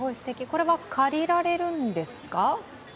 これは借りられるんですか？